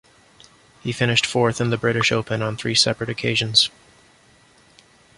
He finished fourth in the British Open on three separate occasions.